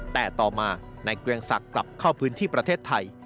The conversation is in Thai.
แต่ต่อมานายเกรียงศักดิ์กลับเข้าพื้นที่ประเทศไทย